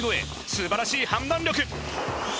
素晴らしい判断力。